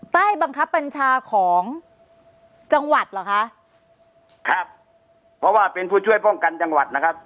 ใต้บังคับบัญชาของจังหวัดเหรอคะครับเพราะว่าเป็นผู้ช่วยป้องกันจังหวัดนะครับ